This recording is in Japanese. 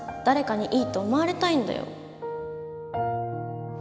誰かにいいと思われたいんだよ。